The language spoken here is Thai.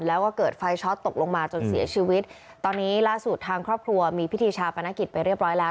แล้วก็เกิดไฟช็อตตกลงมาจนเสียชีวิตตอนนี้ล่าสุดทางครอบครัวมีพิธีชาปนกิจไปเรียบร้อยแล้ว